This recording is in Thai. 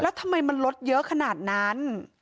แล้วทำไมมันลดเยอะขนาดนั้น